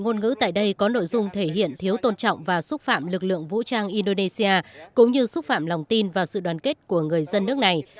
ngôn ngữ tại đây có nội dung thể hiện thiếu tôn trọng và xúc phạm lực lượng vũ trang indonesia cũng như xúc phạm lòng tin và sự đoàn kết của người dân nước này